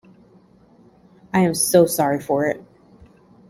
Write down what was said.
I am so sorry for it.